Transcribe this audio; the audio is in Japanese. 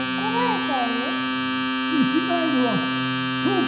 ウシガエルさん！